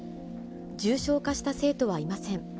重症化した生徒はいません。